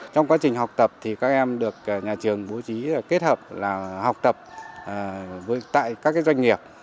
trong quá trình học tập thì các em được nhà trường bố trí kết hợp là học tập tại các doanh nghiệp